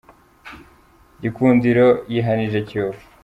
Gikunsdiro yihanije Kiyovu